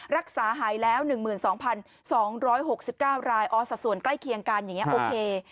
รักษาหายแล้ว๑๒๒๖๙รายอ๋อสัดส่วนใกล้เคียงกันอย่างนี้โอเค